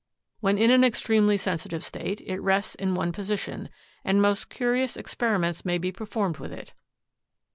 When in an extremely sensitive state it rests in one position, and most curious experiments may be performed with it.